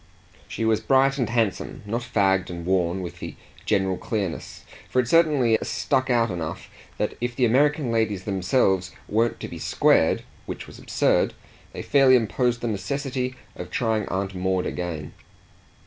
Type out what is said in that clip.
She was bright and handsome, not fagged and worn, with the general clearness; for it certainly stuck out enough that if the American ladies themselves weren't to be squared, which was absurd, they fairly imposed the necessity of trying Aunt Maud again.